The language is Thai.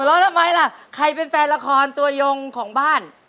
แล้วทำไมล่ะใครเป็นแฟนละครตัวยงของบ้าน